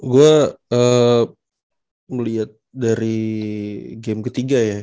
gue melihat dari game ketiga ya